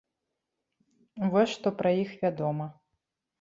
Вось, што пра іх вядома.